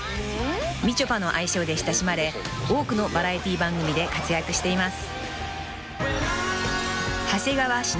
［みちょぱの愛称で親しまれ多くのバラエティー番組で活躍しています］